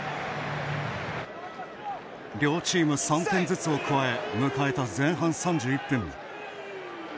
両チーム３点ずつを加え迎えた、前半３１分。